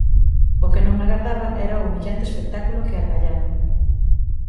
O que non agardaba era o humillante espectáculo que argallaron.